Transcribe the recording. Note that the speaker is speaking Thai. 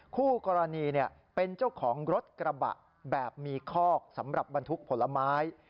คู่กรณีเป็นเจ้าของรถกระบะแบบมีคอกสำหรับบรรทุกผลไม้